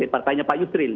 partainya pak yusril